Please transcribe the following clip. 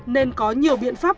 nên có nhiều biện pháp